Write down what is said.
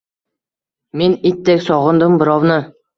Men itdek sogʻindim birovni